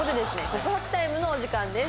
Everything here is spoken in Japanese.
告白タイムのお時間です。